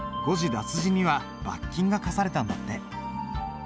脱字には罰金が科されたんだって。